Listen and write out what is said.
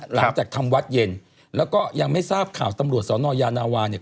หลังจากทำวัดเย็นแล้วก็ยังไม่ทราบข่าวตำรวจสนยานาวาเนี่ย